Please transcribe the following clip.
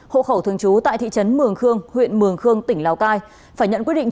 hộ khẩu thường trú tại thị trấn mường khương huyện mường khương tỉnh lào cai phải nhận quyết định